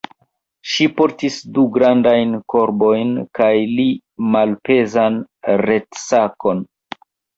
Ŝi portis du grandajn korbojn kaj li malpezan retsakon.